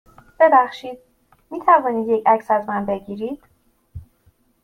ببخشید، می توانید یه عکس از من بگیرید؟